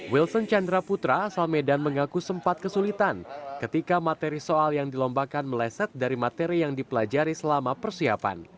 wilson chandra putra asal medan mengaku sempat kesulitan ketika materi soal yang dilombakan meleset dari materi yang dipelajari selama persiapan